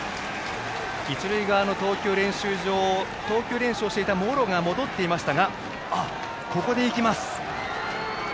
一塁側の投球練習場投球練習をしていた茂呂が戻っていましたがここでいきます。